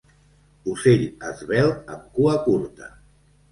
Ocell esvelt amb cua curta.